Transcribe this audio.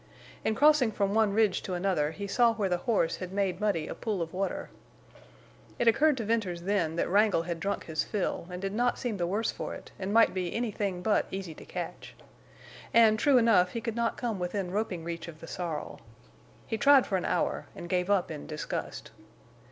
In crossing from one ridge to another he saw where the horse had made muddy a pool of water. It occurred to Venters then that Wrangle had drunk his fill, and did not seem the worse for it, and might be anything but easy to catch. And, true enough, he could not come within roping reach of the sorrel. He tried for an hour, and gave up in disgust.